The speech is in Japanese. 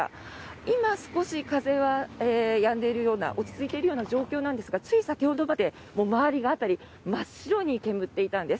今、少し風はやんでいるような落ち着いているような状況なんですが、つい先ほどまで周りが辺り真っ白に煙っていたんです。